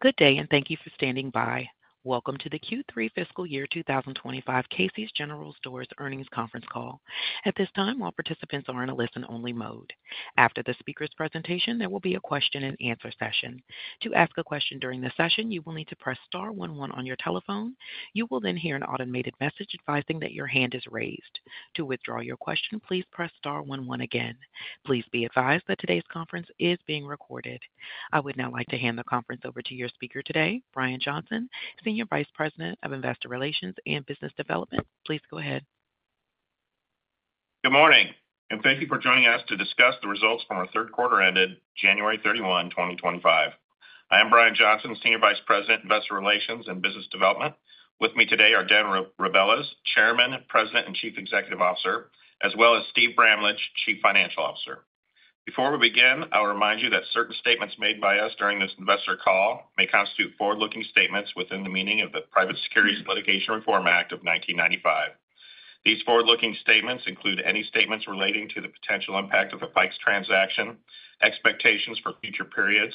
Good day, and thank you for standing by. Welcome to the Q3 fiscal year 2025 Casey's General Stores Earnings Conference Call. At this time, all participants are in a listen-only mode. After the speaker's presentation, there will be a question-and-answer session. To ask a question during the session, you will need to press star one one on your telephone. You will then hear an automated message advising that your hand is raised. To withdraw your question, please press star one one again. Please be advised that today's conference is being recorded. I would now like to hand the conference over to your speaker today, Brian Johnson, Senior Vice President of Investor Relations and Business Development. Please go ahead. Good morning, and thank you for joining us to discuss the results from our Q3 ended January 31, 2025. I am Brian Johnson, Senior Vice President, Investor Relations and Business Development. With me today are Darren Rebelez, Chairman, President, and Chief Executive Officer, as well as Steve Bramlage, Chief Financial Officer. Before we begin, I'll remind you that certain statements made by us during this investor call may constitute forward-looking statements within the meaning of the Private Securities Litigation Reform Act of 1995. These forward-looking statements include any statements relating to the potential impact of a Fikes transaction, expectations for future periods,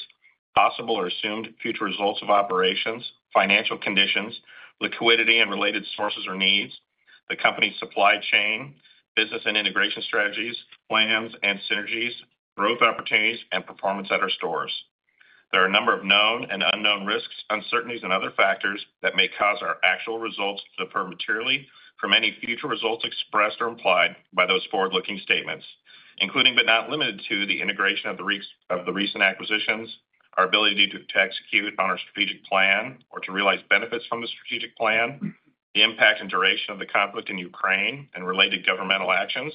possible or assumed future results of operations, financial conditions, liquidity and related sources or needs, the company's supply chain, business and integration strategies, plans and synergies, growth opportunities, and performance at our stores. There are a number of known and unknown risks, uncertainties, and other factors that may cause our actual results to differ materially from any future results expressed or implied by those forward-looking statements, including but not limited to the integration of the recent acquisitions, our ability to execute on our strategic plan or to realize benefits from the strategic plan, the impact and duration of the conflict in Ukraine and related governmental actions,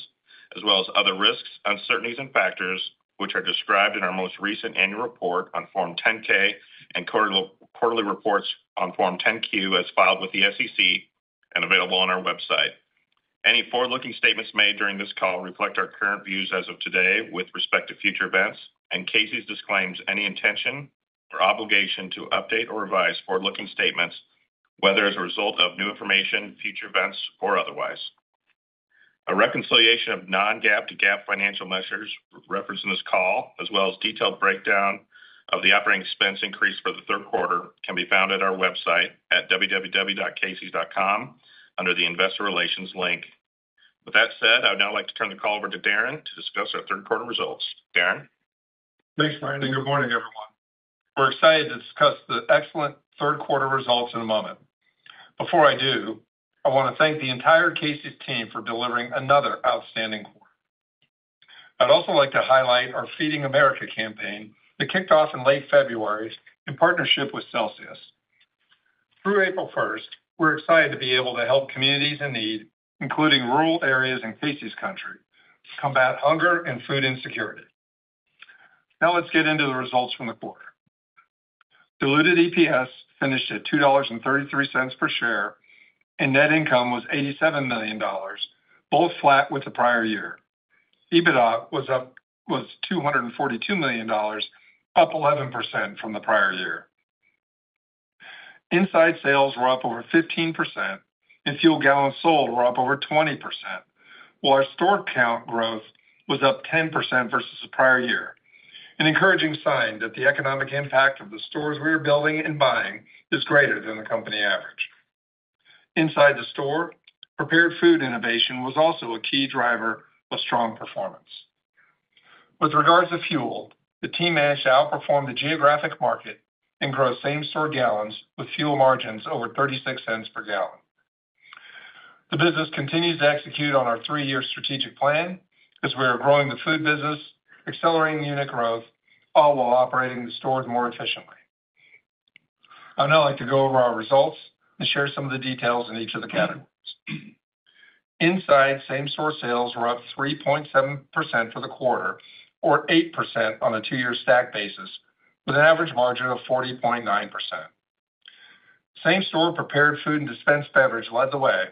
as well as other risks, uncertainties, and factors which are described in our most recent annual report on Form 10-K and quarterly reports on Form 10-Q as filed with the SEC and available on our website. Any forward-looking statements made during this call reflect our current views as of today with respect to future events, and Casey's disclaims any intention or obligation to update or revise forward-looking statements, whether as a result of new information, future events, or otherwise. A reconciliation of non-GAAP to GAAP financial measures referenced in this call, as well as detailed breakdown of the operating expense increase for the Q3, can be found at our website at www.caseys.com under the Investor Relations link. With that said, I would now like to turn the call over to Darren to discuss our Q3 results. Darren? Thanks, Brian, and good morning, everyone. We're excited to discuss the excellent Q3 results in a moment. Before I do, I want to thank the entire Casey's team for delivering another outstanding quarter. I'd also like to highlight our Feeding America campaign that kicked off in late February in partnership with Celsius. Through April 1, we're excited to be able to help communities in need, including rural areas in Casey's country, combat hunger and food insecurity. Now let's get into the results from the quarter. Diluted EPS finished at $2.33 per share, and net income was $87 million, both flat with the prior year. EBITDA was $242 million, up 11% from the prior year. Inside sales were up over 15%, and fuel gallons sold were up over 20%, while our store count growth was up 10% versus the prior year. An encouraging sign that the economic impact of the stores we are building and buying is greater than the company average. Inside the store, prepared food innovation was also a key driver of strong performance. With regards to fuel, the team managed to outperform the geographic market and grow same-store gallons with fuel margins over $0.36 per gallon. The business continues to execute on our three-year strategic plan as we are growing the food business, accelerating unit growth, all while operating the stores more efficiently. I'd now like to go over our results and share some of the details in each of the categories. Inside same-store sales were up 3.7% for the quarter, or 8% on a two-year stack basis, with an average margin of 40.9%. Same-store prepared food and dispensed beverage led the way,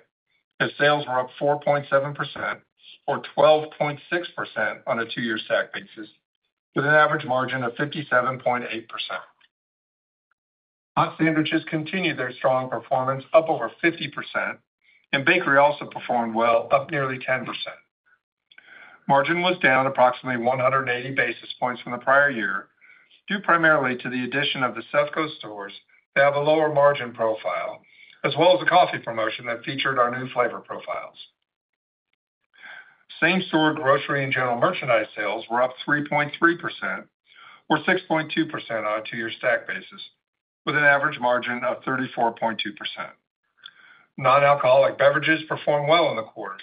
as sales were up 4.7%, or 12.6% on a two-year stack basis, with an average margin of 57.8%. Hot sandwiches continued their strong performance, up over 50%, and bakery also performed well, up nearly 10%. Margin was down approximately 180 basis points from the prior year, due primarily to the addition of the CEFCO stores that have a lower margin profile, as well as the coffee promotion that featured our new flavor profiles. Same-store grocery and general merchandise sales were up 3.3%, or 6.2% on a two-year stack basis, with an average margin of 34.2%. Non-alcoholic beverages performed well in the quarter,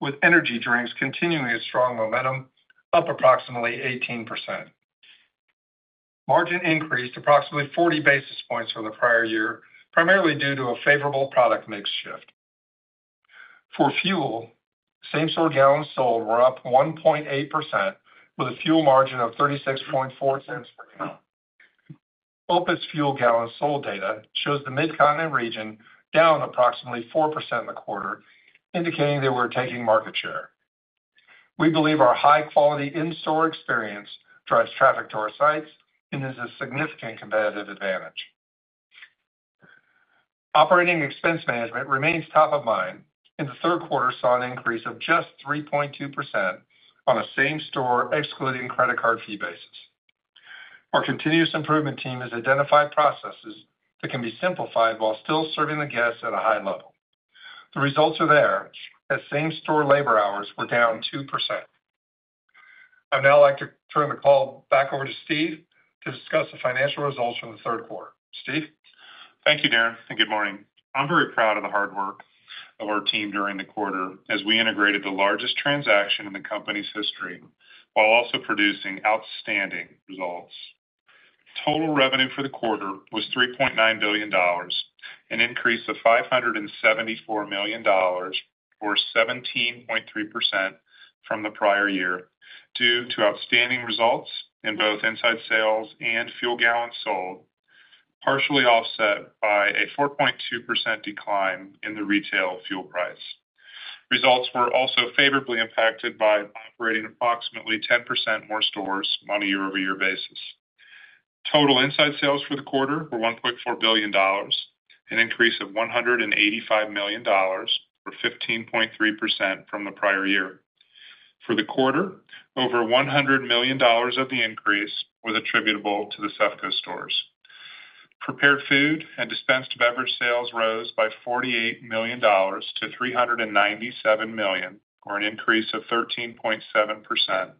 with energy drinks continuing a strong momentum, up approximately 18%. Margin increased approximately 40 basis points from the prior year, primarily due to a favorable product mix shift. For fuel, same-store gallons sold were up 1.8%, with a fuel margin of 36.4 cents per gallon. OPIS fuel gallons sold data shows the Mid-Continent region down approximately 4% in the quarter, indicating they were taking market share. We believe our high-quality in-store experience drives traffic to our sites and is a significant competitive advantage. Operating expense management remains top of mind, and the Q3 saw an increase of just 3.2% on a same-store excluding credit card fee basis. Our continuous improvement team has identified processes that can be simplified while still serving the guests at a high level. The results are there, as same-store labor hours were down 2%. I'd now like to turn the call back over to Steve to discuss the financial results from the Q3. Steve? Thank you, Darren, and good morning. I'm very proud of the hard work of our team during the quarter as we integrated the largest transaction in the company's history while also producing outstanding results. Total revenue for the quarter was $3.9 billion, an increase of $574 million, or 17.3% from the prior year, due to outstanding results in both inside sales and fuel gallons sold, partially offset by a 4.2% decline in the retail fuel price. Results were also favorably impacted by operating approximately 10% more stores on a year-over-year basis. Total inside sales for the quarter were $1.4 billion, an increase of $185 million, or 15.3% from the prior year. For the quarter, over $100 million of the increase was attributable to the CEFCO stores. Prepared food and dispensed beverage sales rose by $48 million to $397 million, or an increase of 13.7%,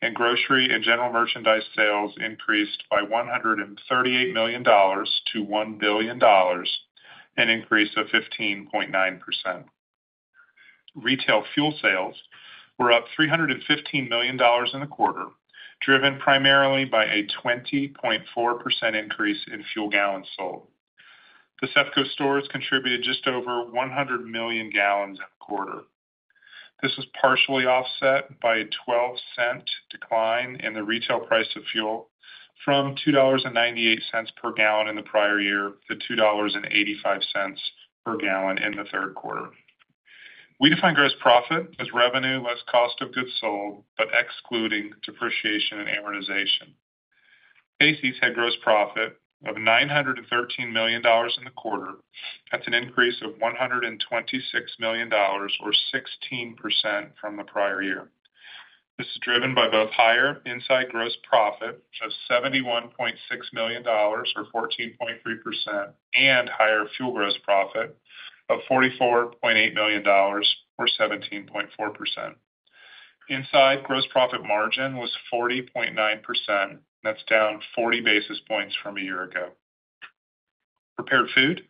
and grocery and general merchandise sales increased by $138 million to $1 billion, an increase of 15.9%. Retail fuel sales were up $315 million in the quarter, driven primarily by a 20.4% increase in fuel gallons sold. The CEFCO stores contributed just over 100 million gallons in the quarter. This was partially offset by a 12 cents decline in the retail price of fuel, from $2.98 per gallon in the prior year to $2.85 per gallon in the Q3. We define gross profit as revenue less cost of goods sold, but excluding depreciation and amortization. Casey's had gross profit of $913 million in the quarter, that's an increase of $126 million, or 16% from the prior year. This is driven by both higher inside gross profit of $71.6 million, or 14.3%, and higher fuel gross profit of $44.8 million, or 17.4%. Inside gross profit margin was 40.9%, that's down 40 basis points from a year ago. Prepared food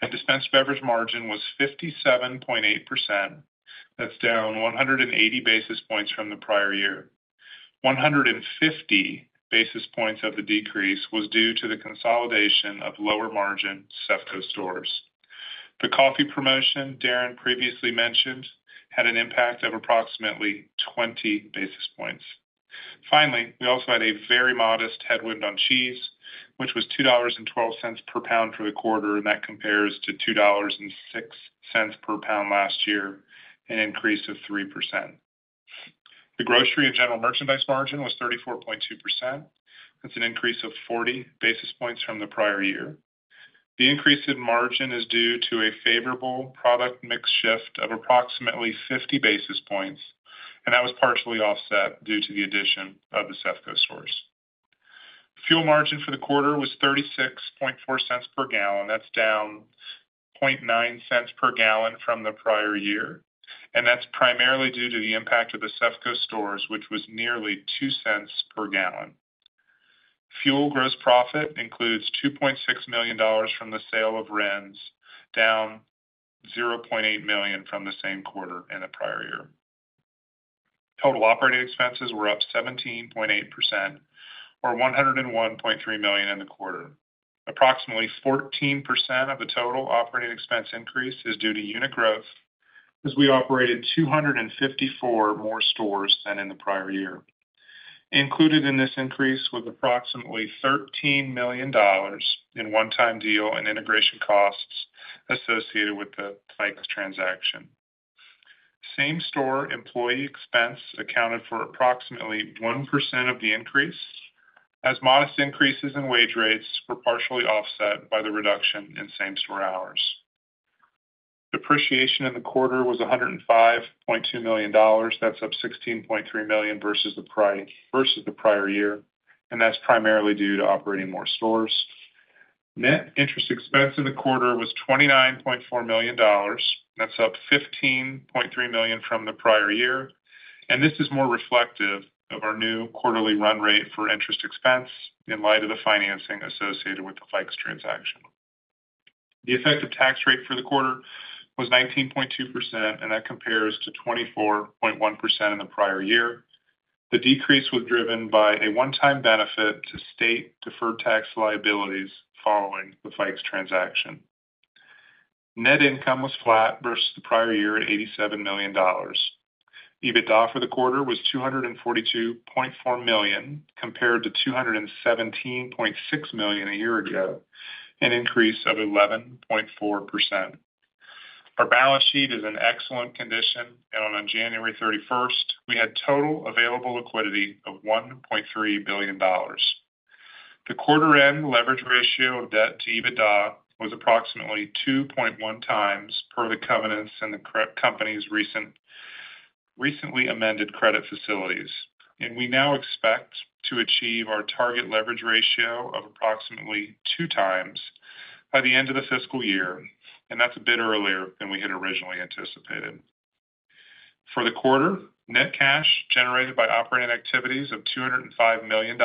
and dispensed beverage margin was 57.8%, that's down 180 basis points from the prior year. 150 basis points of the decrease was due to the consolidation of lower margin CEFCO stores. The coffee promotion Darren previously mentioned had an impact of approximately 20 basis points. Finally, we also had a very modest headwind on cheese, which was $2.12 per pound for the quarter, and that compares to $2.06 per pound last year, an increase of 3%. The grocery and general merchandise margin was 34.2%. That's an increase of 40 basis points from the prior year. The increase in margin is due to a favorable product mix shift of approximately 50 basis points, and that was partially offset due to the addition of the CEFCO stores. Fuel margin for the quarter was 36.4 cents per gallon, that's down 0.9 cents per gallon from the prior year, and that's primarily due to the impact of the CEFCO stores, which was nearly 2 cents per gallon. Fuel gross profit includes $2.6 million from the sale of RINs, down $0.8 million from the same quarter and the prior year. Total operating expenses were up 17.8%, or $101.3 million in the quarter. Approximately 14% of the total operating expense increase is due to unit growth, as we operated 254 more stores than in the prior year. Included in this increase was approximately $13 million in one-time deal and integration costs associated with the Fikes transaction. Same-store employee expense accounted for approximately 1% of the increase, as modest increases in wage rates were partially offset by the reduction in same-store hours. Depreciation in the quarter was $105.2 million, that's up $16.3 million versus the prior year, and that's primarily due to operating more stores. Net interest expense in the quarter was $29.4 million, that's up $15.3 million from the prior year, and this is more reflective of our new quarterly run rate for interest expense in light of the financing associated with the Fikes transaction. The effective tax rate for the quarter was 19.2%, and that compares to 24.1% in the prior year. The decrease was driven by a one-time benefit to state deferred tax liabilities following the Fikes transaction. Net income was flat versus the prior year at $87 million. EBITDA for the quarter was $242.4 million, compared to $217.6 million a year ago, an increase of 11.4%. Our balance sheet is in excellent condition, and on January 31st, we had total available liquidity of $1.3 billion. The quarter-end leverage ratio of debt to EBITDA was approximately 2.1 times per the covenants and the company's recently amended credit facilities, and we now expect to achieve our target leverage ratio of approximately 2 times by the end of the fiscal year, and that's a bit earlier than we had originally anticipated. For the quarter, net cash generated by operating activities of $205 million,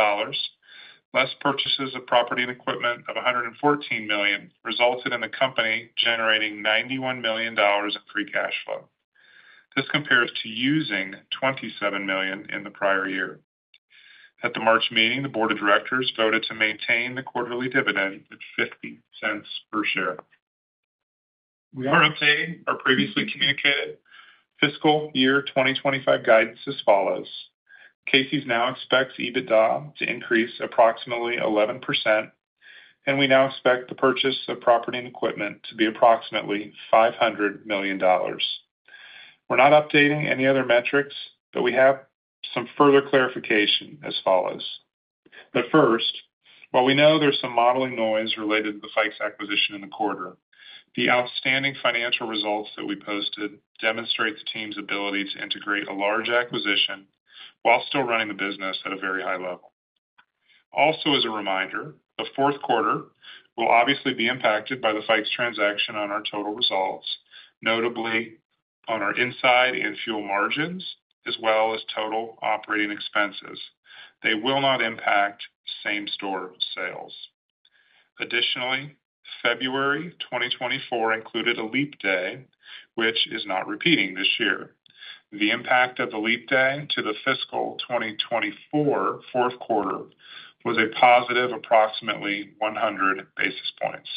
less purchases of property and equipment of $114 million, resulted in the company generating $91 million in free cash flow. This compares to using $27 million in the prior year. At the March meeting, the board of directors voted to maintain the quarterly dividend at $0.50 per share. We are updating our previously communicated fiscal year 2025 guidance as follows. Casey's now expects EBITDA to increase approximately 11%, and we now expect the purchase of property and equipment to be approximately $500 million. We are not updating any other metrics, but we have some further clarification as follows. First, while we know there is some modeling noise related to the Fikes acquisition in the quarter, the outstanding financial results that we posted demonstrate the team's ability to integrate a large acquisition while still running the business at a very high level. Also, as a reminder, the Q4 will obviously be impacted by the Fikes transaction on our total results, notably on our inside and fuel margins, as well as total operating expenses. They will not impact same-store sales. Additionally, February 2024 included a leap day, which is not repeating this year. The impact of the leap day to the fiscal 2024 Q4 was a positive approximately 100 basis points.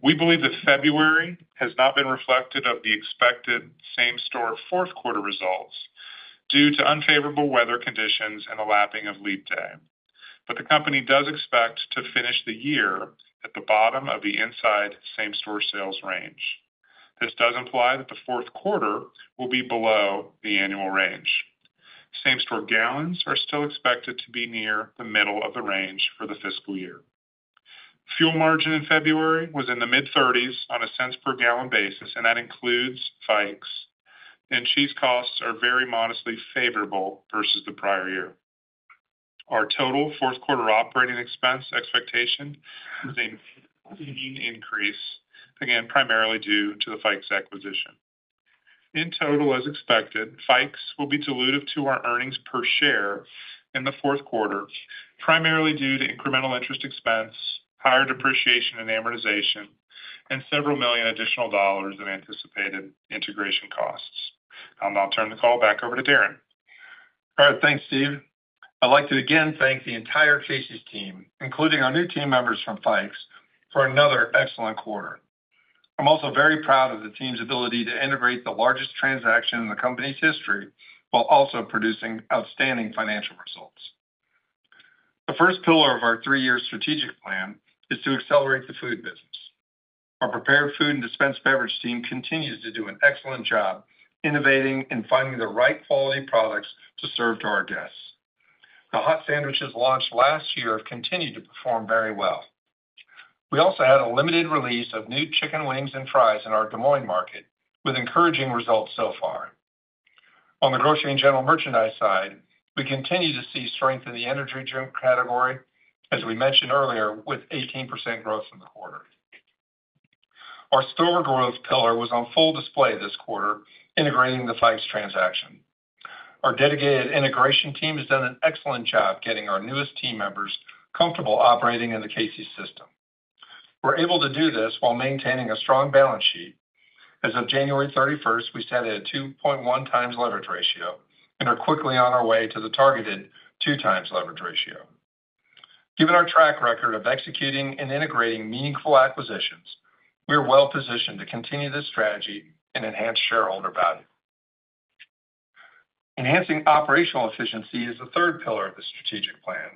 We believe that February has not been reflective of the expected same-store Q4 results due to unfavorable weather conditions and the lapping of leap day, but the company does expect to finish the year at the bottom of the inside same-store sales range. This does imply that the Q4 will be below the annual range. Same-store gallons are still expected to be near the middle of the range for the fiscal year. Fuel margin in February was in the mid-30s on a cents per gallon basis, and that includes Fikes, and cheese costs are very modestly favorable versus the prior year. Our total Q4 operating expense expectation is a continuing increase, again, primarily due to the Fikes acquisition. In total, as expected, Fikes will be dilutive to our earnings per share in the Q4, primarily due to incremental interest expense, higher depreciation and amortization, and several million additional dollars in anticipated integration costs. I'll now turn the call back over to Darren. All right, thanks, Steve. I'd like to again thank the entire Casey's team, including our new team members from Fikes, for another excellent quarter. I'm also very proud of the team's ability to integrate the largest transaction in the company's history while also producing outstanding financial results. The first pillar of our three-year strategic plan is to accelerate the food business. Our prepared food and dispensed beverage team continues to do an excellent job innovating and finding the right quality products to serve to our guests. The hot sandwiches launched last year have continued to perform very well. We also had a limited release of new chicken wings and fries in our Des Moines market, with encouraging results so far. On the grocery and general merchandise side, we continue to see strength in the energy drink category, as we mentioned earlier, with 18% growth in the quarter. Our store growth pillar was on full display this quarter, integrating the Fikes transaction. Our dedicated integration team has done an excellent job getting our newest team members comfortable operating in the Casey's system. We're able to do this while maintaining a strong balance sheet. As of January 31, we sat at a 2.1 times leverage ratio and are quickly on our way to the targeted 2 times leverage ratio. Given our track record of executing and integrating meaningful acquisitions, we are well-positioned to continue this strategy and enhance shareholder value. Enhancing operational efficiency is the third pillar of the strategic plan.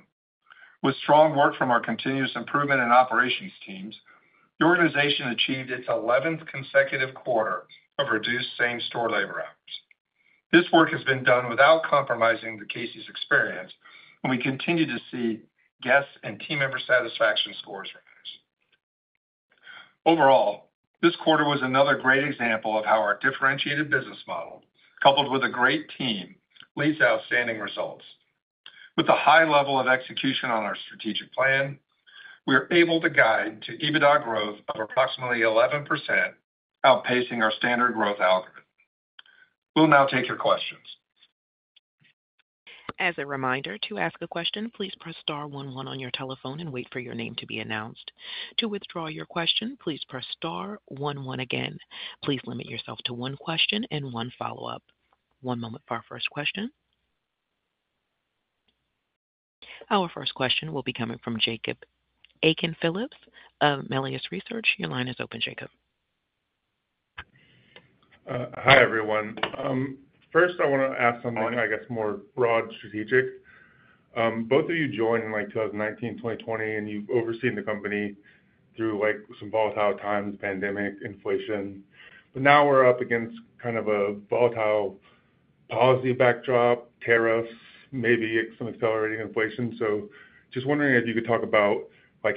With strong work from our continuous improvement and operations teams, the organization achieved its 11th consecutive quarter of reduced same-store labor hours. This work has been done without compromising the Casey's experience, and we continue to see guests' and team member satisfaction scores rise Overall, this quarter was another great example of how our differentiated business model, coupled with a great team, leads to outstanding results. With a high level of execution on our strategic plan, we are able to guide to EBITDA growth of approximately 11%, outpacing our standard growth algorithm. We'll now take your questions. As a reminder, to ask a question, please press star one one on your telephone and wait for your name to be announced. To withdraw your question, please press star one one again. Please limit yourself to one question and one follow-up. One moment for our first question. Our first question will be coming from Jacob Aiken-Phillips of Melius Research. Your line is open, Jacob. Hi, everyone. First, I want to ask something, I guess, more broad strategic. Both of you joined in 2019, 2020, and you've overseen the company through some volatile times, pandemic, inflation. Now we're up against kind of a volatile policy backdrop, tariffs, maybe some accelerating inflation. Just wondering if you could talk about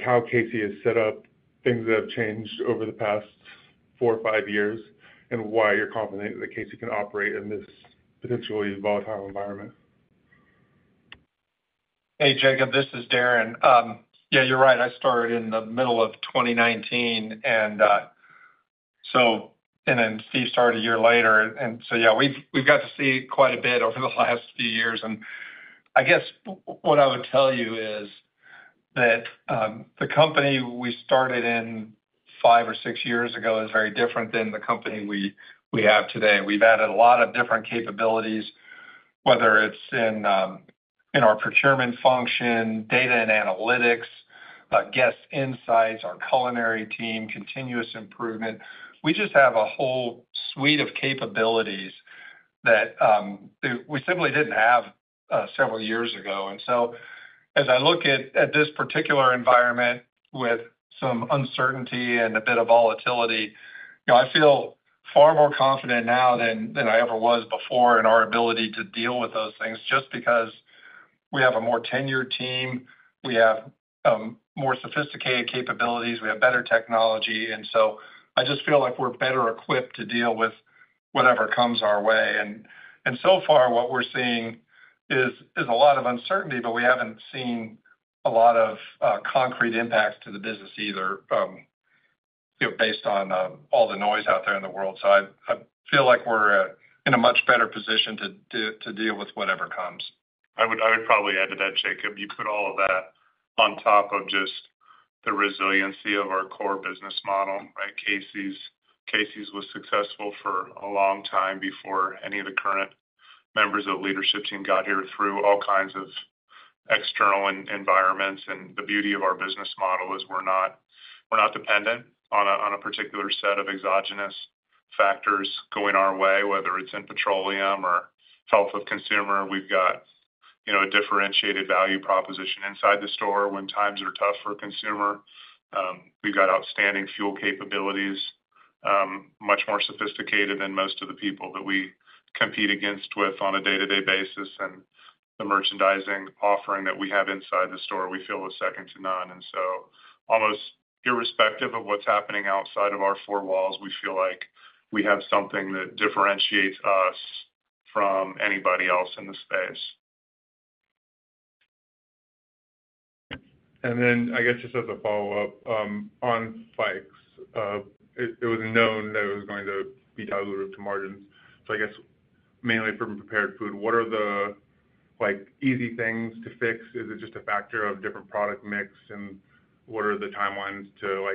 how Casey's is set up, things that have changed over the past four or five years, and why you're confident that Casey's can operate in this potentially volatile environment. Hey, Jacob, this is Darren. Yeah, you're right. I started in the middle of 2019, and then Steve started a year later. Yeah, we've got to see quite a bit over the last few years. I guess what I would tell you is that the company we started in five or six years ago is very different than the company we have today. We've added a lot of different capabilities, whether it's in our procurement function, data and analytics, guest insights, our culinary team, continuous improvement. We just have a whole suite of capabilities that we simply didn't have several years ago. As I look at this particular environment with some uncertainty and a bit of volatility, I feel far more confident now than I ever was before in our ability to deal with those things just because we have a more tenured team, we have more sophisticated capabilities, we have better technology. I just feel like we're better equipped to deal with whatever comes our way. So far, what we're seeing is a lot of uncertainty, but we haven't seen a lot of concrete impacts to the business either, based on all the noise out there in the world. I feel like we're in a much better position to deal with whatever comes. I would probably add to that, Jacob. You put all of that on top of just the resiliency of our core business model, right? Casey's was successful for a long time before any of the current members of the leadership team got here through all kinds of external environments. The beauty of our business model is we're not dependent on a particular set of exogenous factors going our way, whether it's in petroleum or health of consumer. We've got a differentiated value proposition inside the store when times are tough for a consumer. We've got outstanding fuel capabilities, much more sophisticated than most of the people that we compete against with on a day-to-day basis. The merchandising offering that we have inside the store, we feel is second to none. Almost irrespective of what's happening outside of our four walls, we feel like we have som thing that differentiates us from anybody else in the space. I guess just as a follow-up, on Fikes, it was known that it was going to be down to the roof to margins. I guess mainly from prepared food, what are the easy things to fix? Is it just a factor of different product mix? What are the timelines to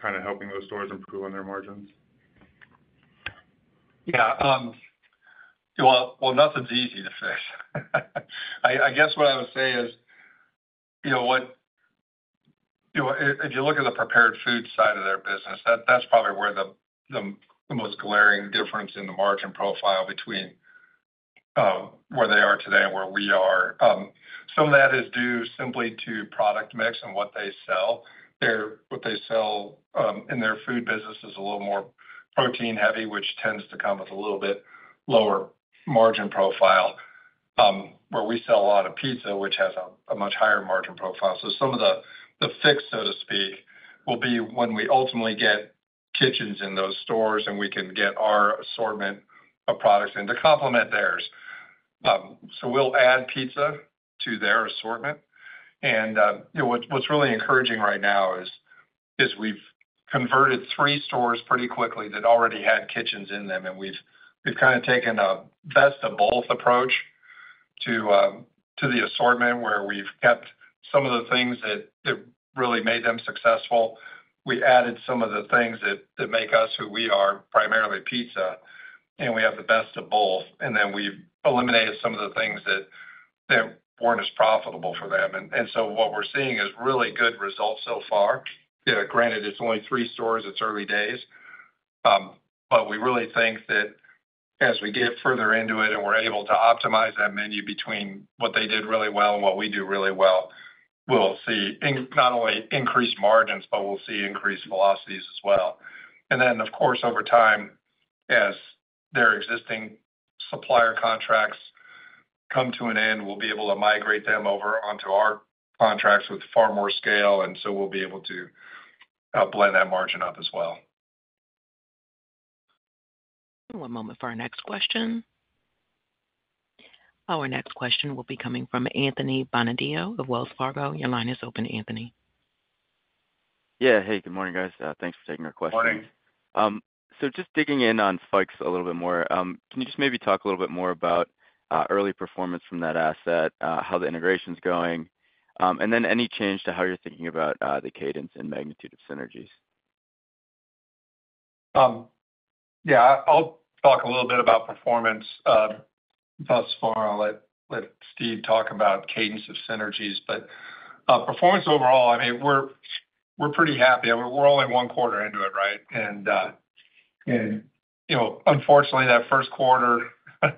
kind of helping those stores improve on their margins? Yeah. Nothing's easy to fix. I guess what I would say is, if you look at the prepared food side of their business, that's probably where the most glaring difference in the margin profile between where they are today and where we are. Some of that is due simply to product mix and what they sell. What they sell in their food business is a little more protein-heavy, which tends to come with a little bit lower margin profile, where we sell a lot of pizza, which has a much higher margin profile. Some of the fix, so to speak, will be when we ultimately get kitchens in those stores and we can get our assortment of products in to complement theirs. We'll add pizza to their assortment. What's really encouraging right now is we've converted three stores pretty quickly that already had kitchens in them, and we've kind of taken a best of both approach to the assortment, where we've kept some of the things that really made them successful. We added some of the things that make us who we are, primarily pizza, and we have the best of both. We have eliminated some of the things that were not as profitable for them. What we're seeing is really good results so far. Granted, it's only three stores. It's early days. We really think that as we get further into it and we're able to optimize that menu between what they did really well and what we do really well, we'll see not only increased margins, but we'll see increased velocities as well. Of course, over time, as their existing supplier contracts come to an end, we'll be able to migrate them over onto our contracts with far more scale. We'll be able to blend that margin up as well. One moment for our next question. Our next question will be coming from Anthony Bonadio of Wells Fargo. Your line is open, Anthony. Yeah. Hey, good morning, guys. Thanks for taking our question. Good morning. Just digging in on Fikes a little bit more, can you just maybe talk a little bit more about early performance from that asset, how the integration's going, and then any change to how you're thinking about the Cadence and magnitude of synergies? Yeah. I'll talk a little bit about performance. Thus far, I'll let Steve talk about Cadence of synergies. Performance overall, I mean, we're pretty happy. We're only one quarter into it, right? Unfortunately, that Q1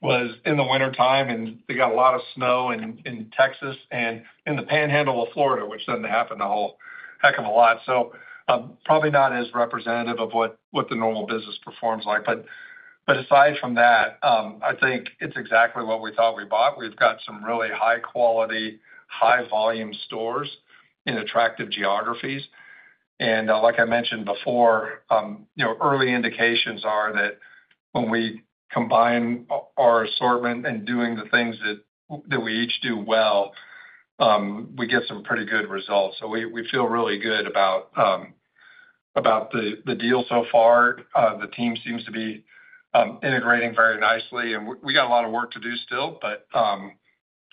was in the wintertime, and we got a lot of snow in Texas and in the panhandle of Florida, which does not happen a whole heck of a lot. Probably not as representative of what the normal business performs like. Aside from that, I think it's exactly what we thought we bought. We've got some really high-quality, high-volume stores in attractive geographies. Like I mentioned before, early indications are that when we combine our assortment and doing the things that we each do well, we get some pretty good results. We feel really good about the deal so far. The team seems to be integrating very nicely. We got a lot of work to do still, but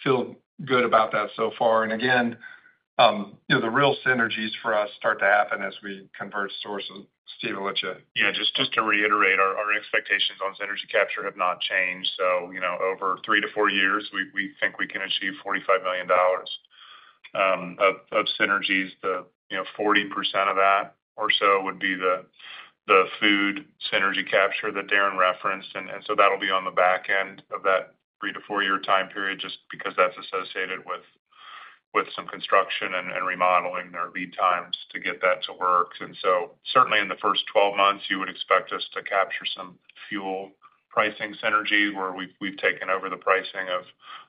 feel good about that so far. Again, the real synergies for us start to happen as we convert stores. Steven, what's your? Yeah. Just to reiterate, our expectations on synergy capture have not changed. Over three to four years, we think we can achieve $45 million of synergies. The 40% of that or so would be the food synergy capture that Darren referenced. That will be on the back end of that three to four-year time period just because that is associated with some construction and remodeling or lead times to get that to work. Certainly, in the first 12 months, you would expect us to capture some fuel pricing synergy where we have taken over the pricing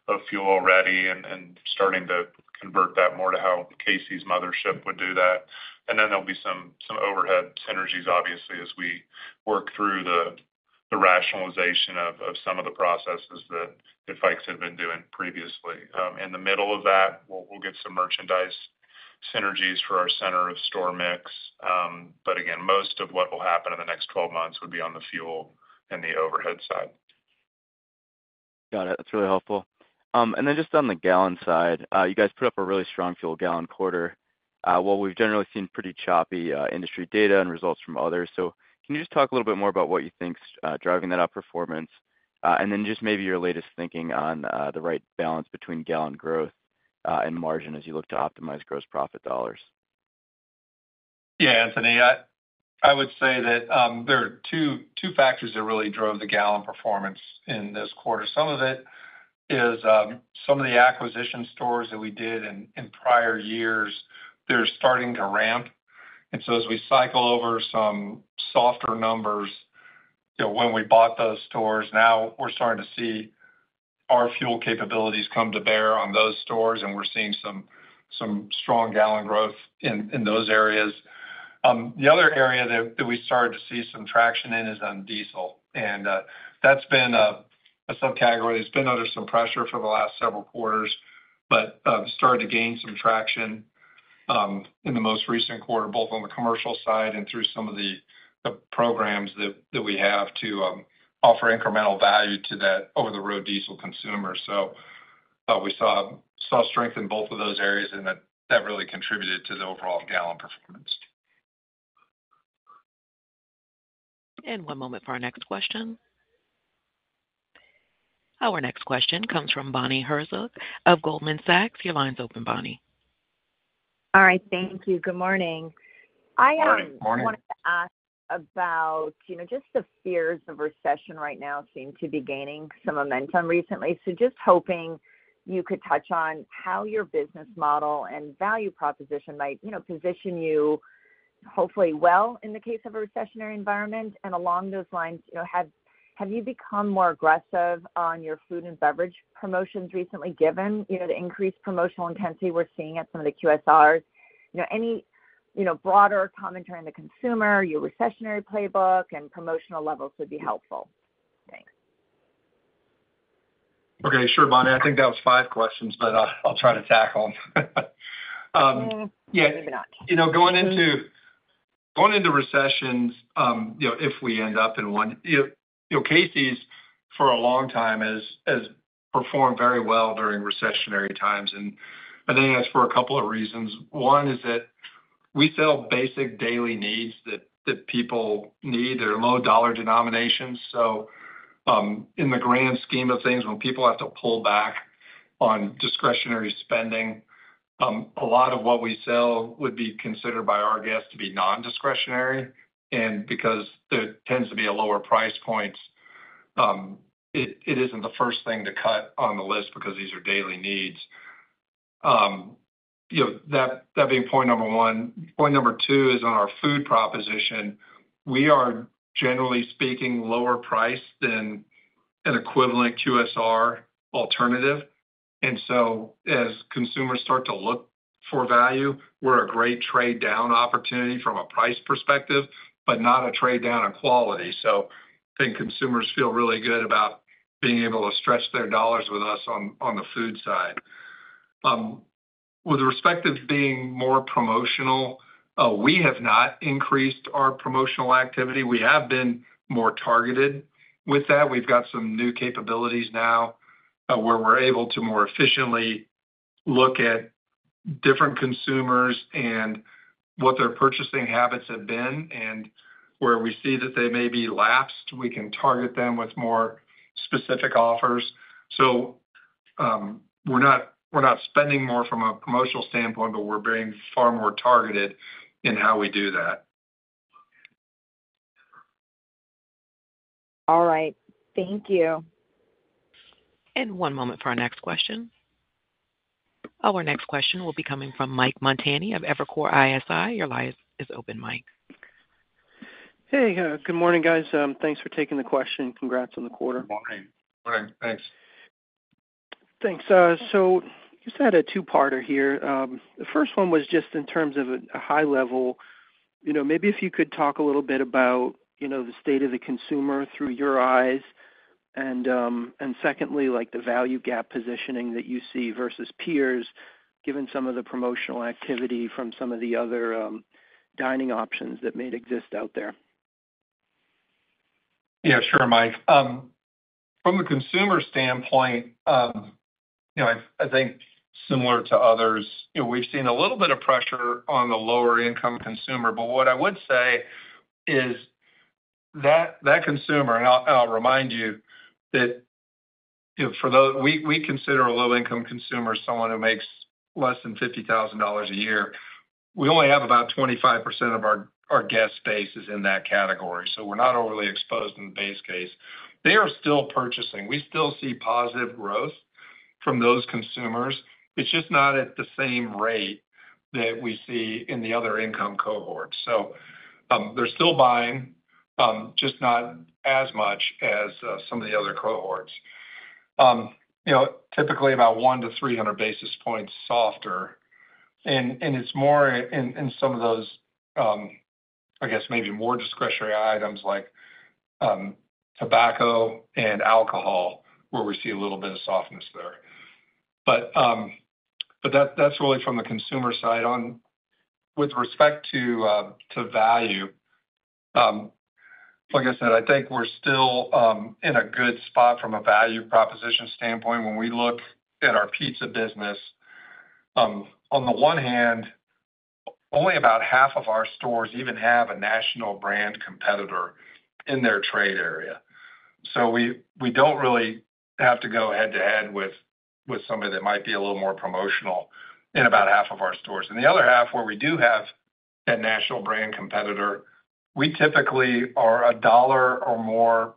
of fuel already and started to convert that more to how Casey's mothership would do that. There will be some overhead synergies, obviously, as we work through the rationalization of some of the processes that Fikes had been doing previously. In the middle of that, we'll get some merchandise synergies for our center of store mix. Again, most of what will happen in the next 12 months would be on the fuel and the overhead side. Got it. That's really helpful. And then just on the gallon side, you guys put up a really strong fuel gallon quarter. I mean, we've generally seen pretty choppy industry data and results from others. Can you just talk a little bit more about what you think's driving that outperformance? And then just maybe your latest thinking on the right balance between gallon growth and margin as you look to optimize gross profit dollars? Yeah, Anthony, I would say that there are two factors that really drove the gallon performance in this quarter. Some of it is some of the acquisition stores that we did in prior years, they're starting to ramp. As we cycle over some softer numbers when we bought those stores, now we're starting to see our fuel capabilities come to bear on those stores, and we're seeing some strong gallon growth in those areas. The other area that we started to see some traction in is on diesel. That's been a subcategory that's been under some pressure for the last several quarters, but started to gain some traction in the most recent quarter, both on the commercial side and through some of the programs that we have to offer incremental value to that over-the-road diesel consumer. We saw strength in both of those areas, and that really contributed to the overall gallon performance. One moment for our next question. Our next question comes from Bonnie Herzog of Goldman Sachs. Your line's open, Bonnie. All right. Thank you. Good morning. I wanted to ask about just the fears of recession right now seem to be gaining some momentum recently. Just hoping you could touch on how your business model and value proposition might position you hopefully well in the case of a recessionary environment. Along those lines, have you become more aggressive on your food and beverage promotions recently, given the increased promotional intensity we're seeing at some of the QSRs? Any broader commentary on the consumer, your recessionary playbook, and promotional levels would be helpful. Thanks. Okay. Sure, Bonnie. I think that was five questions, but I'll try to tackle them. Maybe not. Going into recessions, if we end up in one, Casey's for a long time has performed very well during recessionary times. I think that's for a couple of reasons. One is that we sell basic daily needs that people need. They're low-dollar denominations. In the grand scheme of things, when people have to pull back on discretionary spending, a lot of what we sell would be considered by our guests to be non-discretionary. Because there tends to be a lower price point, it isn't the first thing to cut on the list because these are daily needs. That being point number one. Point number two is on our food proposition. We are, generally speaking, lower priced than an equivalent QSR alternative. As consumers start to look for value, we're a great trade-down opportunity from a price perspective, but not a trade-down in quality. I think consumers feel really good about being able to stretch their dollars with us on the food side. With respect to being more promotional, we have not increased our promotional activity. We have been more targeted with that. We have got some new capabilities now where we are able to more efficiently look at different consumers and what their purchasing habits have been. Where we see that they may be lapsed, we can target them with more specific offers. We are not spending more from a promotional standpoint, but we are being far more targeted in how we do that. All right. Thank you. One moment for our next question. Our next question will be coming from Mike Montani of Evercore ISI. Your line is open, Mike. Hey, good morning, guys. Thanks for taking the question. Congrats on the quarter. Good morning. Morning. Thanks. Thanks. You said a two-parter here. The first one was just in terms of a high level, maybe if you could talk a little bit about the state of the consumer through your eyes. Secondly, the value gap positioning that you see versus peers, given some of the promotional activity from some of the other dining options that may exist out there. Yeah, sure, Mike. From a consumer standpoint, I think similar to others, we've seen a little bit of pressure on the lower-income consumer. What I would say is that consumer, and I'll remind you that we consider a low-income consumer someone who makes less than $50,000 a year. We only have about 25% of our guest base is in that category. We are not overly exposed in the base case. They are still purchasing. We still see positive growth from those consumers. It's just not at the same rate that we see in the other income cohorts. They are still buying, just not as much as some of the other cohorts. Typically, about one to 300 basis points softer. It is more in some of those, I guess, maybe more discretionary items like tobacco and alcohol, where we see a little bit of softness there. That's really from the consumer side. With respect to value, like I said, I think we're still in a good spot from a value proposition standpoint. When we look at our pizza business, on the one hand, only about half of our stores even have a national brand competitor in their trade area. We do not really have to go head-to-head with somebody that might be a little more promotional in about half of our stores. In the other half, where we do have that national brand competitor, we typically are a dollar or more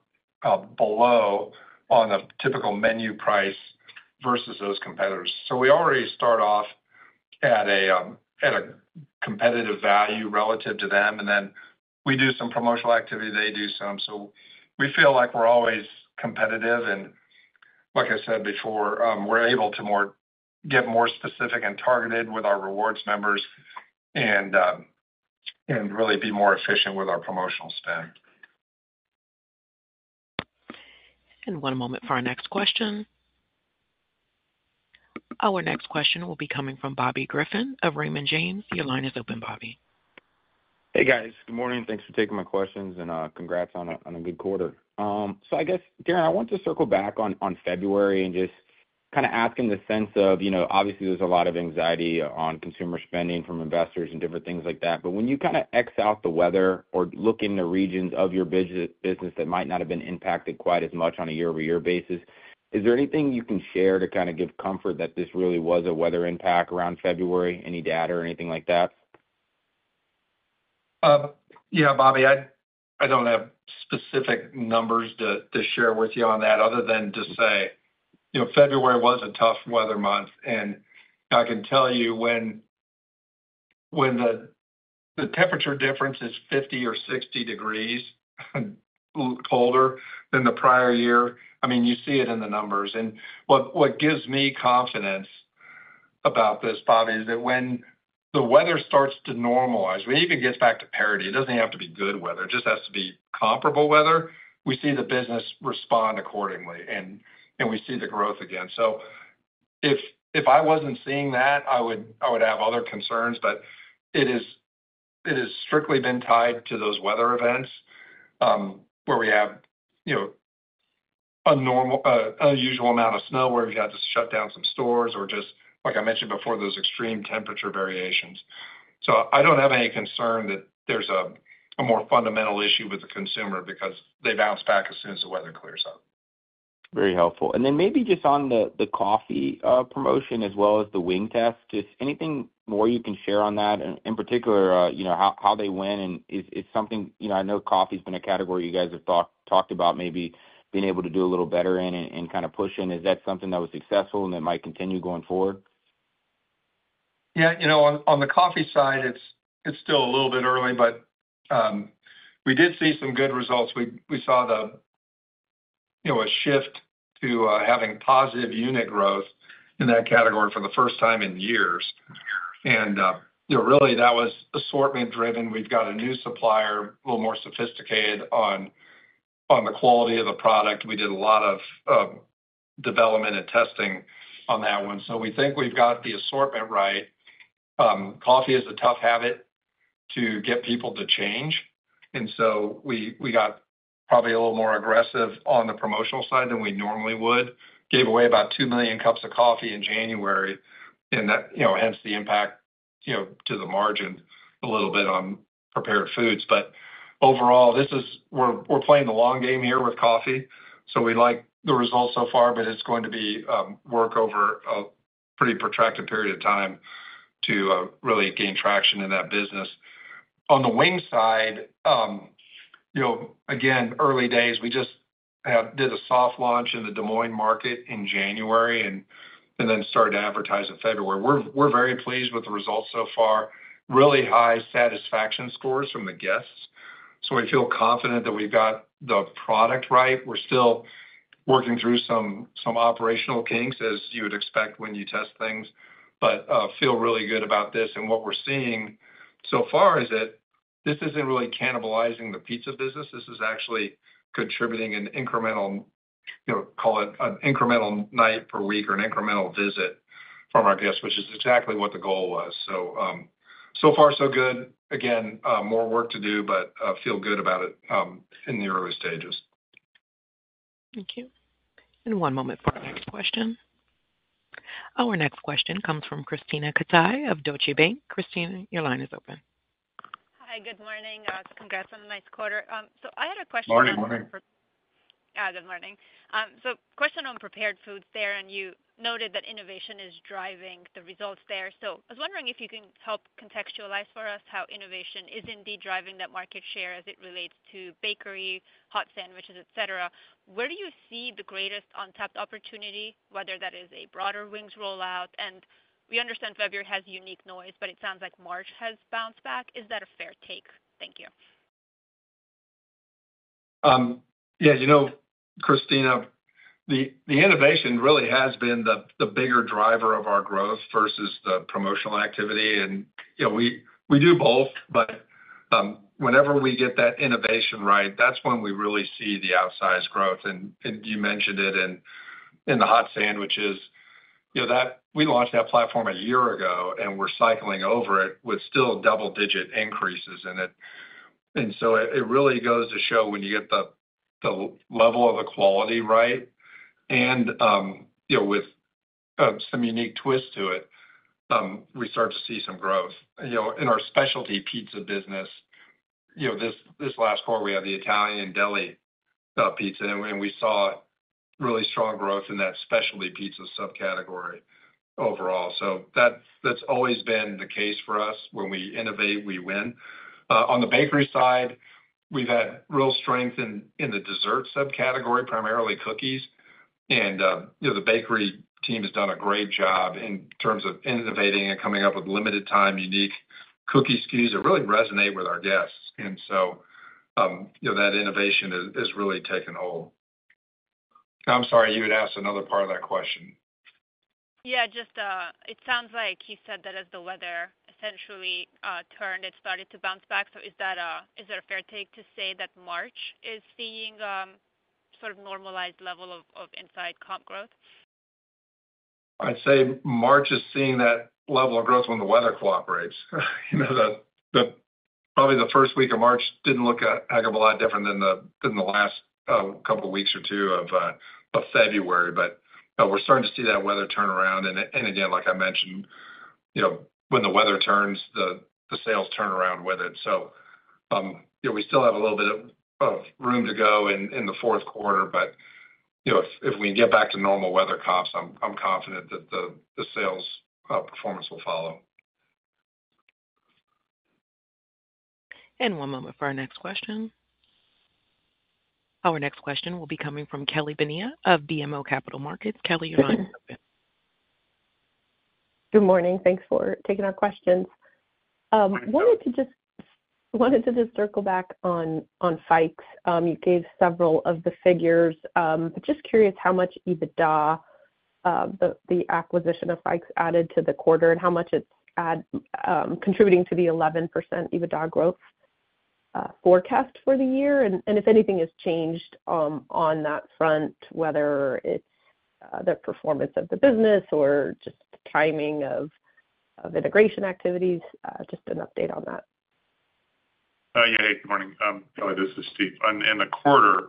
below on a typical menu price versus those competitors. We already start off at a competitive value relative to them. We do some promotional activity. They do some. We feel like we're always competitive. Like I said before, we're able to get more specific and targeted with our rewards members and really be more efficient with our promotional spend. One moment for our next question. Our next question will be coming from Bobby Griffin of Raymond James. Your line is open, Bobby. Hey, guys. Good morning. Thanks for taking my questions. Congrats on a good quarter. I want to circle back on February and just kind of ask in the sense of, obviously, there's a lot of anxiety on consumer spending from investors and different things like that. When you kind of X out the weather or look in the regions of your business that might not have been impacted quite as much on a year-over-year basis, is there anything you can share to kind of give comfort that this really was a weather impact around February? Any data or anything like that? Yeah, Bobby. I don't have specific numbers to share with you on that other than to say February was a tough weather month. I can tell you when the temperature difference is 50 or 60 degrees colder than the prior year, I mean, you see it in the numbers. What gives me confidence about this, Bobby, is that when the weather starts to normalize, when it even gets back to parity, it doesn't have to be good weather. It just has to be comparable weather, we see the business respond accordingly, and we see the growth again. If I wasn't seeing that, I would have other concerns. It has strictly been tied to those weather events where we have an unusual amount of snow where we've had to shut down some stores or just, like I mentioned before, those extreme temperature variations. I don't have any concern that there's a more fundamental issue with the consumer because they bounce back as soon as the weather clears up. Very helpful. Maybe just on the coffee promotion as well as the wing test, just anything more you can share on that? In particular, how they went is something I know coffee has been a category you guys have talked about maybe being able to do a little better in and kind of push in. Is that something that was successful and that might continue going forward? Yeah. On the coffee side, it's still a little bit early, but we did see some good results. We saw a shift to having positive unit growth in that category for the first time in years. Really, that was assortment-driven. We've got a new supplier, a little more sophisticated on the quality of the product. We did a lot of development and testing on that one. We think we've got the assortment right. Coffee is a tough habit to get people to change. We got probably a little more aggressive on the promotional side than we normally would. Give away about million cups of coffee in January, and hence the impact to the margin a little bit on prepared foods. Overall, we're playing the long game here with coffee. We like the results so far, but it's going to work over a pretty protracted period of time to really gain traction in that business. On the wing side, again, early days, we just did a soft launch in the Des Moines market in January and then started to advertise in February. We're very pleased with the results so far. Really high satisfaction scores from the guests. We feel confident that we've got the product right. We're still working through some operational kinks, as you would expect when you test things, but feel really good about this. What we're seeing so far is that this isn't really cannibalizing the pizza business. This is actually contributing an incremental, call it an incremental night per week or an incremental visit from our guests, which is exactly what the goal was. So far, so good. Again, more work to do, but feel good about it in the early stages. Thank you. One moment for our next question. Our next question comes from Krisztina Katai of Deutsche Bank. Krisztina, your line is open. Hi. Good morning. Congrats on a nice quarter. I had a question. Morning. Morning. Good morning. Question on prepared foods there. You noted that innovation is driving the results there. I was wondering if you can help contextualize for us how innovation is indeed driving that market share as it relates to bakery, hot sandwiches, etc. Where do you see the greatest untapped opportunity, whether that is a broader wings rollout? We understand February has unique noise, but it sounds like March has bounced back. Is that a fair take? Thank you. Yeah. Krisztina, the innovation really has been the bigger driver of our growth versus the promotional activity. We do both, but whenever we get that innovation right, that's when we really see the outsized growth. You mentioned it in the hot sandwiches. We launched that platform a year ago, and we're cycling over it with still double-digit increases in it. It really goes to show when you get the level of the quality right and with some unique twist to it, we start to see some growth. In our specialty pizza business, this last quarter, we had the Italian deli pizza, and we saw really strong growth in that specialty pizza subcategory overall. That's always been the case for us. When we innovate, we win. On the bakery side, we've had real strength in the dessert subcategory, primarily cookies. The bakery team has done a great job in terms of innovating and coming up with limited-time unique cookie SKUs that really resonate with our guests. That innovation has really taken hold. I'm sorry. You had asked another part of that question. Yeah. It sounds like you said that as the weather essentially turned, it started to bounce back. Is there a fair take to say that March is seeing sort of normalized level of inside comp growth? I'd say March is seeing that level of growth when the weather cooperates. Probably the first week of March didn't look a heck of a lot different than the last couple of weeks or two of February. We're starting to see that weather turn around. Like I mentioned, when the weather turns, the sales turn around with it. We still have a little bit of room to go in the Q4. If we can get back to normal weather comps, I'm confident that the sales performance will follow. One moment for our next question. Our next question will be coming from Kelly Bania of BMO Capital Markets. Kelly, your line is open. Good morning. Thanks for taking our questions. Wanted to just circle back on Fikes. You gave several of the figures. Just curious how much EBITDA the acquisition of Fikes added to the quarter and how much it's contributing to the 11% EBITDA growth forecast for the year. If anything has changed on that front, whether it's the performance of the business or just the timing of integration activities, just an update on that. Yeah. Hey, good morning. Kelly, this is Steve. In the quarter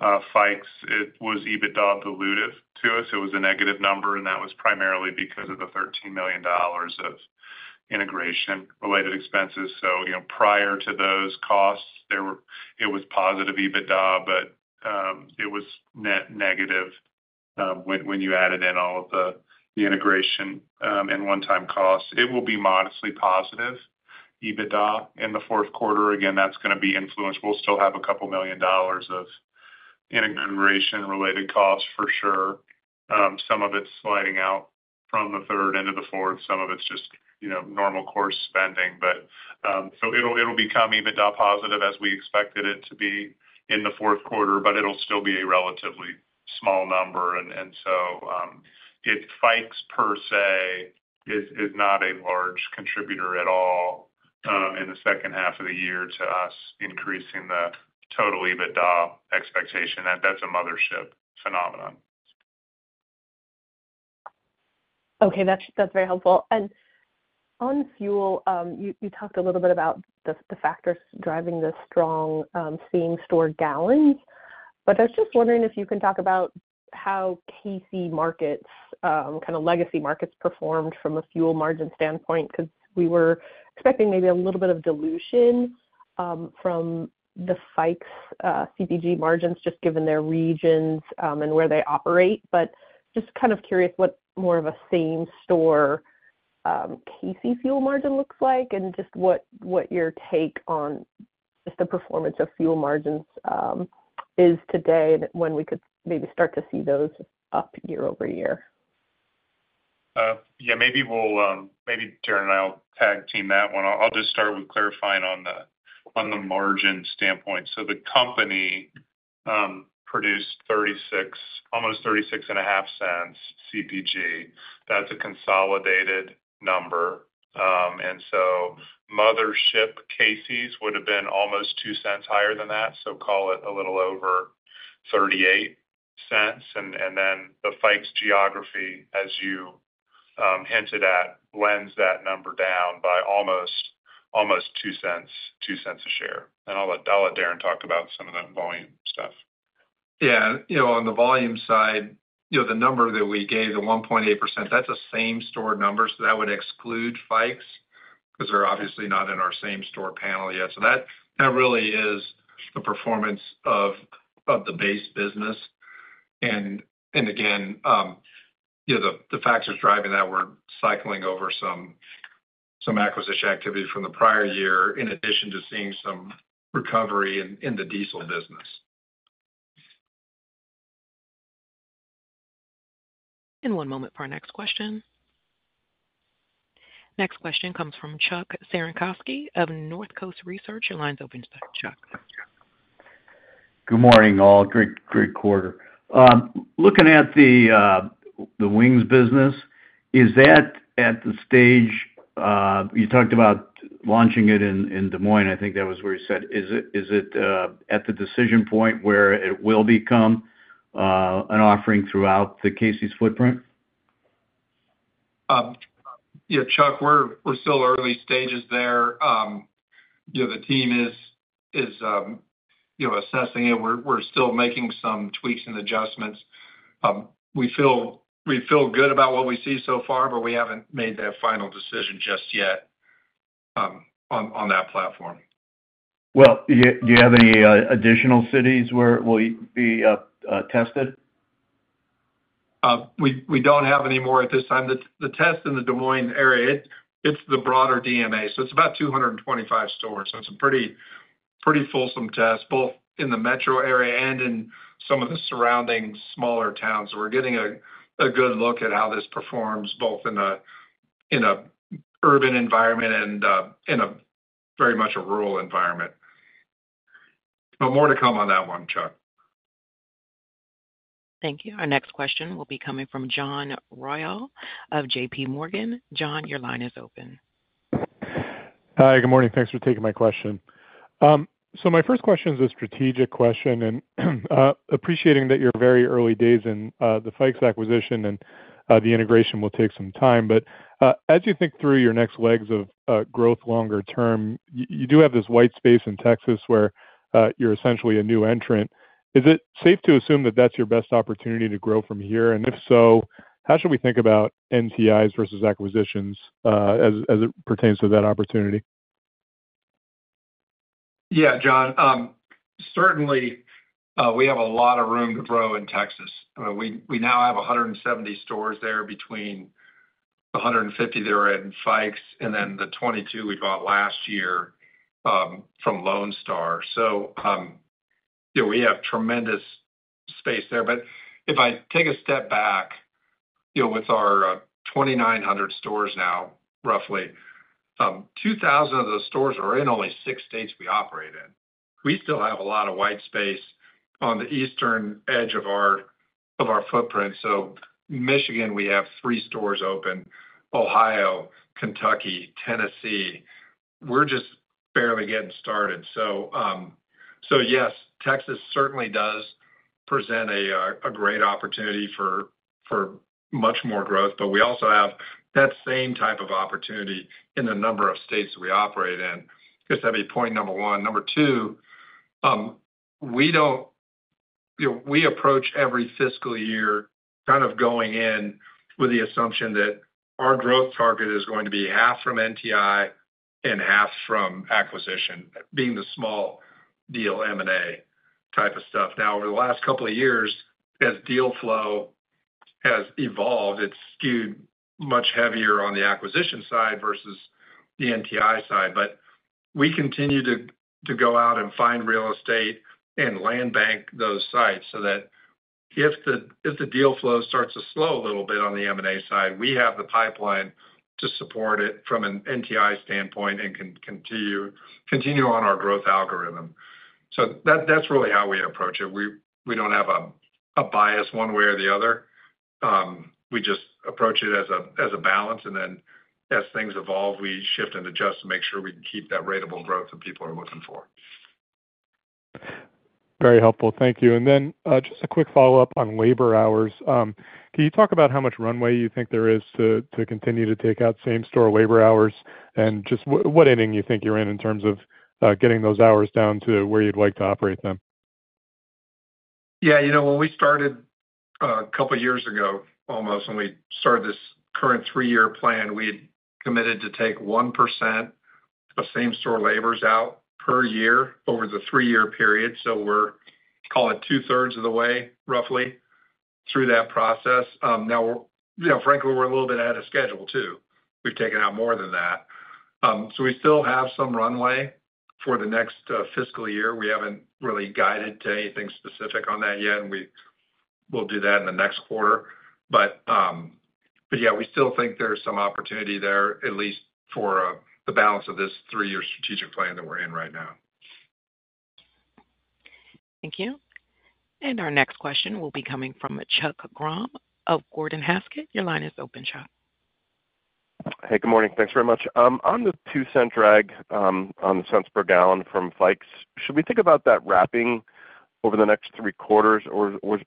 of Fikes, it was EBITDA dilutive to us. It was a negative number, and that was primarily because of the $13 million of integration-related expenses. Prior to those costs, it was positive EBITDA, but it was net negative when you added in all of the integration and one-time costs. It will be modestly positive EBITDA in the Q4. Again, that's going to be influenced. We'll still have a couple million dollars of integration-related costs for sure. Some of it's sliding out from the third into the fourth. Some of it's just normal course spending. It will become EBITDA positive as we expected it to be in the Q4, but it'll still be a relatively small number. Fikes, per se, is not a large contributor at all in the second half of the year to us increasing the total EBITDA expectation. That's a mothership phenomenon. Okay. That's very helpful. On fuel, you talked a little bit about the factors driving the strong same-store gallons. I was just wondering if you can talk about how Casey's markets, kind of legacy markets, performed from a fuel margin standpoint because we were expecting maybe a little bit of dilution from the Fikes CPG margins just given their regions and where they operate. Just kind of curious what more of a same-store Casey's fuel margin looks like and what your take on the performance of fuel margins is today and when we could maybe start to see those up year over year. Yeah. Maybe, Darren, I'll tag team that one. I'll just start with clarifying on the margin standpoint. The company produced almost 36.5 cents CPG. That's a consolidated number. Mothership Casey's would have been almost 2 cents higher than that, so call it a little over 38 cents. The Fikes geography, as you hinted at, lends that number down by almost 2 cents a share. I'll let Darren talk about some of that volume stuff. Yeah. On the volume side, the number that we gave, the 1.8%, that's a same-store number. That would exclude Fikes because they're obviously not in our same-store panel yet. That really is the performance of the base business. Again, the factors driving that, we're cycling over some acquisition activity from the prior year in addition to seeing some recovery in the diesel business. One moment for our next question. Next question comes from Chuck Cerankosky of Northcoast Research. Your line's open to Chuck. Good morning, all. Great quarter. Looking at the wings business, is that at the stage you talked about launching it in Des Moines, I think that was where you said. Is it at the decision point where it will become an offering throughout the Casey's footprint? Yeah. Chuck, we're still early stages there. The team is assessing it. We're still making some tweaks and adjustments. We feel good about what we see so far, but we haven't made that final decision just yet on that platform. Do you have any additional cities where it will be tested? We don't have any more at this time. The test in the Des Moines area, it's the broader DMA. It is about 225 stores. It is a pretty fulsome test, both in the metro area and in some of the surrounding smaller towns. We are getting a good look at how this performs both in an urban environment and in very much a rural environment. More to come on that one, Chuck. Thank you. Our next question will be coming from John Royall of JPMorgan. John, your line is open. Hi. Good morning. Thanks for taking my question. My first question is a strategic question. Appreciating that you're very early days in the Fikes acquisition and the integration will take some time. As you think through your next legs of growth longer term, you do have this white space in Texas where you're essentially a new entrant. Is it safe to assume that that's your best opportunity to grow from here? If so, how should we think about NTIs versus acquisitions as it pertains to that opportunity? Yeah, John. Certainly, we have a lot of room to grow in Texas. We now have 170 stores there between the 150 there in Fikes and then the 22 we bought last year from Lone Star. We have tremendous space there. If I take a step back with our 2,900 stores now, roughly 2,000 of those stores are in only six states we operate in. We still have a lot of white space on the eastern edge of our footprint. Michigan, we have three stores open; Ohio, Kentucky, Tennessee. We're just barely getting started. Yes, Texas certainly does present a great opportunity for much more growth. We also have that same type of opportunity in the number of states we operate in. I guess that would be point number one. Number two, we approach every fiscal year kind of going in with the assumption that our growth target is going to be half from NTI and half from acquisition, being the small deal M&A type of stuff. Now, over the last couple of years, as deal flow has evolved, it's skewed much heavier on the acquisition side versus the NTI side. We continue to go out and find real estate and land bank those sites so that if the deal flow starts to slow a little bit on the M&A side, we have the pipeline to support it from an NTI standpoint and continue on our growth algorithm. That's really how we approach it. We don't have a bias one way or the other. We just approach it as a balance. As things evolve, we shift and adjust to make sure we can keep that ratable growth that people are looking for. Very helpful. Thank you. Just a quick follow-up on labor hours. Can you talk about how much runway you think there is to continue to take out same-store labor hours and just what ending you think you're in in terms of getting those hours down to where you'd like to operate them? Yeah. When we started a couple of years ago almost, when we started this current three-year plan, we had committed to take 1% of same-store labor hours per year over the three-year period. We're, call it, two-thirds of the way, roughly, through that process. Now, frankly, we're a little bit ahead of schedule too. We've taken out more than that. We still have some runway for the next fiscal year. We haven't really guided to anything specific on that yet. We'll do that in the next quarter. Yeah, we still think there's some opportunity there, at least for the balance of this three-year strategic plan that we're in right now. Thank you. Our next question will be coming from Chuck Grom of Gordon Haskett. Your line is open, Chuck. Hey, good morning. Thanks very much. On the 2-cent drag on the cents per gallon from Fikes, should we think about that wrapping over the next three quarters, or was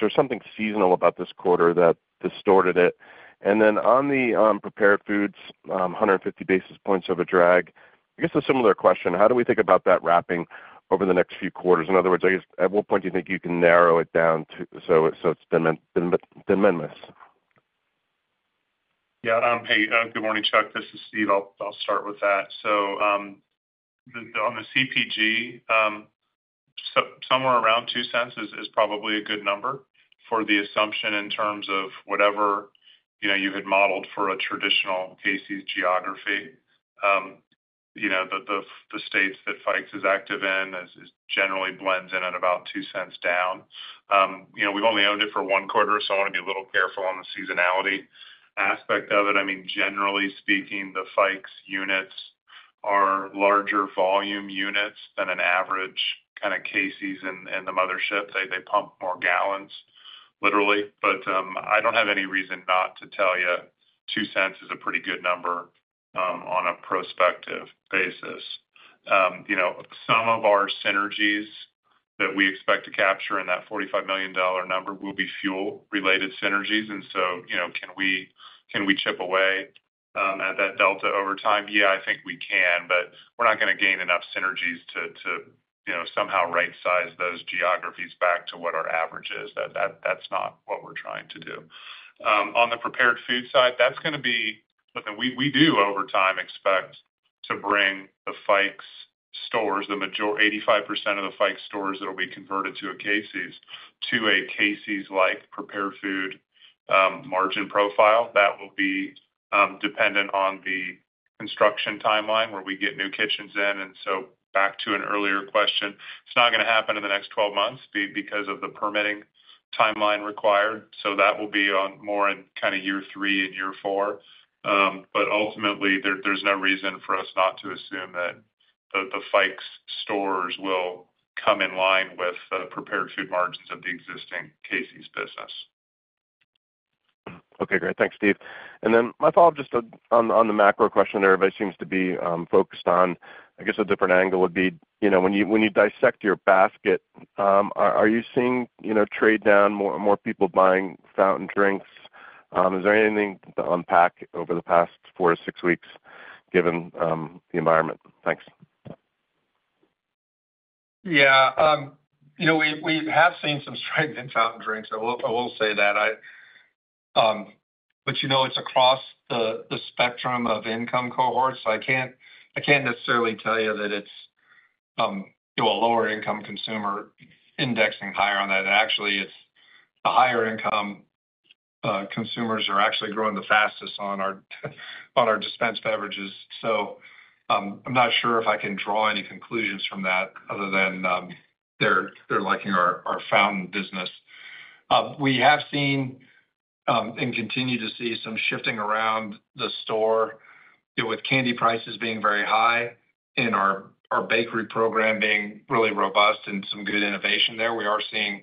there something seasonal about this quarter that distorted it? On the prepared foods, 150 basis points of a drag, I guess a similar question. How do we think about that wrapping over the next few quarters? In other words, I guess at what point do you think you can narrow it down so it's de minimis? Yeah. Hey, good morning, Chuck. This is Steve. I'll start with that. On the CPG, somewhere around 2 cents is probably a good number for the assumption in terms of whatever you had modeled for a traditional Casey's geography. The states that Fikes is active in generally blends in at about 2 cents down. We've only owned it for one quarter, so I want to be a little careful on the seasonality aspect of it. I mean, generally speaking, the Fikes units are larger volume units than an average kind of Casey's in the mothership. They pump more gallons, literally. I don't have any reason not to tell you 2 cents is a pretty good number on a prospective basis. Some of our synergies that we expect to capture in that $45 million number will be fuel-related synergies. Can we chip away at that delta ove time? Yeah, I think we can, but we're not going to gain enough synergies to somehow right-size those geographies back to what our average is. That's not what we're trying to do. On the prepared food side, that's going to be something we do over time. Expect to bring the Fikes stores, the 85% of the Fikes stores that will be converted to a Casey's, to a Casey's-like prepared food margin profile. That will be dependent on the construction timeline where we get new kitchens in. Back to an earlier question, it's not going to happen in the next 12 months because of the permitting timeline required. That will be more in kind of year three and year four. Ultimately, there's no reason for us not to assume that the Fikes stores will come in line with the prepared food margins of the existing Casey's business. Okay. Great. Thanks, Steve. My follow-up just on the macro question there, everybody seems to be focused on, I guess a different angle would be when you dissect your basket, are you seeing trade down, more people buying fountain drinks? Is there anything to unpack over the past four to six weeks given the environment? Thanks. Yeah. We have seen some strength in fountain drinks. I will say that. But it's across the spectrum of income cohorts. I can't necessarily tell you that it's a lower-income consumer indexing higher on that. Actually, it's the higher-income consumers are actually growing the fastest on our dispensed beverages. I'm not sure if I can draw any conclusions from that other than they're liking our fountain business. We have seen and continue to see some shifting around the store with candy prices being very high and our bakery program being really robust and some good innovation there. We are seeing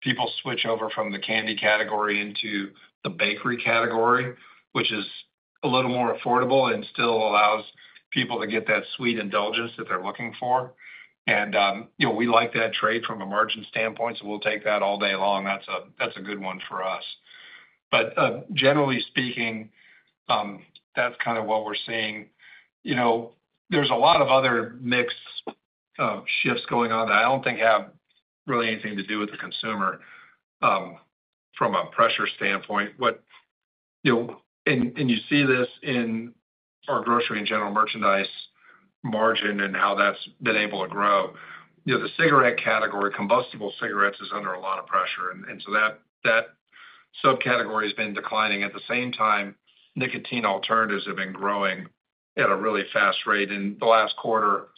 people switch over from the candy category into the bakery category, which is a little more affordable and still allows people to get that sweet indulgence that they're looking for. We like that trade from a margin standpoint, so we'll take that all day long. That's a good one for us. Generally speaking, that's kind of what we're seeing. There's a lot of other mixed shifts going on that I don't think have really anything to do with the consumer from a pressure standpoint. You see this in our grocery and general merchandise margin and how that's been able to grow. The cigarette category, combustible cigarettes, is under a lot of pressure. That subcategory has been declining. At the same time, nicotine alternatives have been growing at a really fast rate. In the last quarter,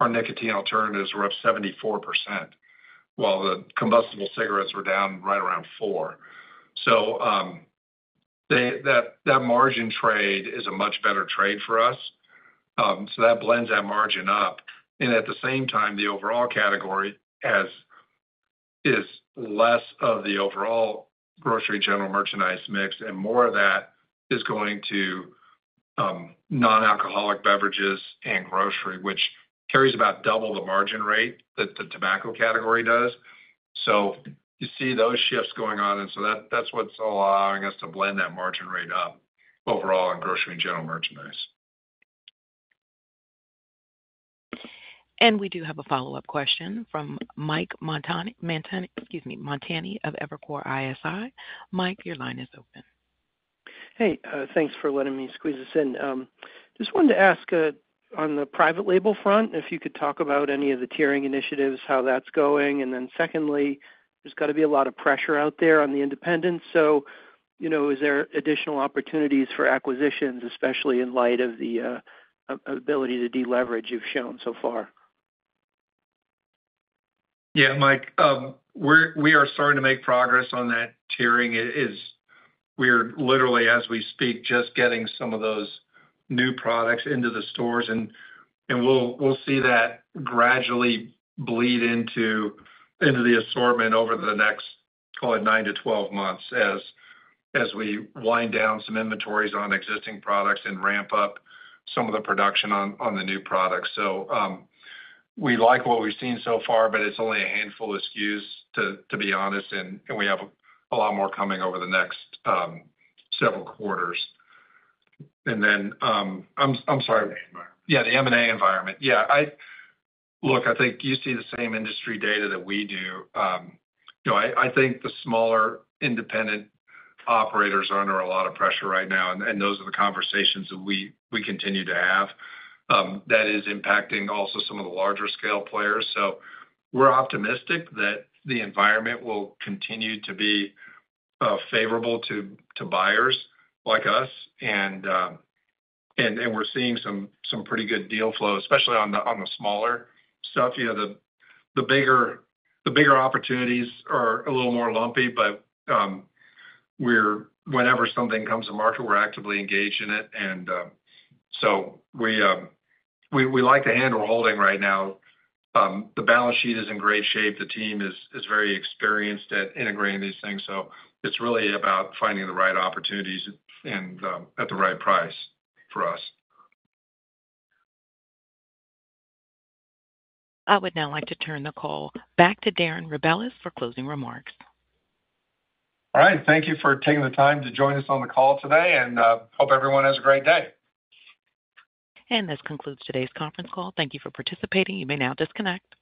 our nicotine alternatives were up 74%, while the combustible cigarettes were down right around 4%. That margin trade is a much better trade for us. That blends that margin up. At the same time, the overall category is less of the overall grocery general merchandise mix, and more of that is going to non-alcoholic beverages and grocery, which carries about double the margin rate that the tobacco category does. You see those shifts going on. That is what is allowing us to blend that margin rate up overall in grocery and general merchandise. We do have a follow-up question from Mike Montani of Evercore ISI. Mike, your line is open. Hey, thanks for letting me squeeze this in. Just wanted to ask on the private label front if you could talk about any of the tiering initiatives, how that's going. Then secondly, there's got to be a lot of pressure out there on the independents. Is there additional opportunities for acquisitions, especially in light of the ability to deleverage you've shown so far? Yeah, Mike, we are starting to make progress on that tiering. We are literally, as we speak, just getting some of those new products into the stores. We will see that gradually bleed into the assortment over the next, call it, 9-12 months as we wind down some inventories on existing products and ramp up some of the production on the new products. We like what we have seen so far, but it is only a handful of SKUs, to be honest. We have a lot more coming over the next several quarters. I am sorry. Yeah, the M&A environment. Yeah. Look, I think you see the same industry data that we do. I think the smaller independent operators are under a lot of pressure right now. Those are the conversations that we continue to have that is impacting also some of the larger-scale players. We're optimistic that the environment will continue to be favorable to buyers like us. We're seeing some pretty good deal flow, especially on the smaller stuff. The bigger opportunities are a little more lumpy, but whenever something comes to market, we're actively engaged in it. We like the hand we're holding right now. The balance sheet is in great shape. The team is very experienced at integrating these things. It's really about finding the right opportunities and at the right price for us. I would now like to turn the call back to Darren Rebelez for closing remarks. All right. Thank you for taking the time to join us on the call today. Hope everyone has a great day. This concludes today's conference call. Thank you for participating. You may now disconnect.